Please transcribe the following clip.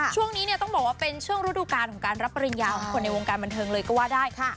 ช่วงนี้เนี่ยต้องบอกว่าเป็นช่วงฤดูการของการรับปริญญาของคนในวงการบันเทิงเลยก็ว่าได้ค่ะ